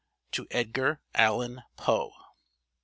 To Edgar Allan Poe.